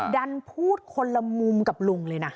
ดันพูดคนละมุมกับลุงเลยนะ